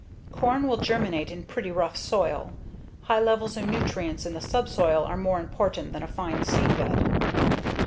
Corn will germinate in pretty rough soil. High levels of nutrients in the subsoil are more important than a fine seedbed.